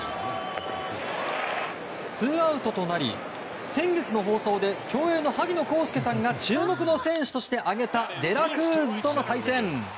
ツーアウトとなり、先月の放送で競泳の萩野公介さんが注目の選手として挙げたデラクルーズとの対戦。